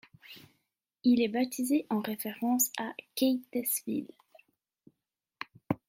Il est baptisé en référence à Keytesville.